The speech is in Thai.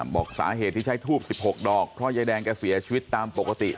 บอกสาเหตุที่ใช้ทูบ๑๖ดอกเพราะยายแดงแกเสียชีวิตตามปกติ